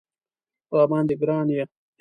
راباندې ګران یې